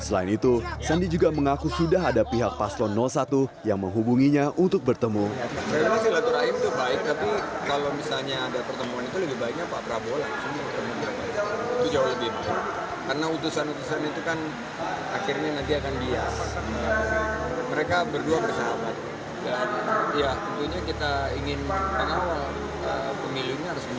dan ya tentunya kita ingin karena pemilunya harus menjuradil